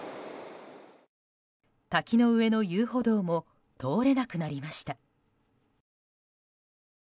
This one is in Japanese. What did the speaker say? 滝の上の遊歩道も通れなくなりました。